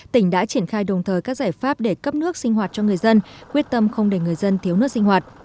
tỉnh đã triển khai đồng thời các giải pháp để cấp nước sinh hoạt cho người dân quyết tâm không để người dân thiếu nước sinh hoạt